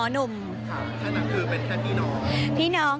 ค่ะอันนั้นคือเป็นแค่พี่น้อง